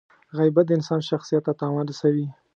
• غیبت د انسان شخصیت ته تاوان رسوي.